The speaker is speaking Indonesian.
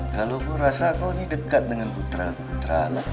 kalau aku rasa kau ini dekat dengan putra putra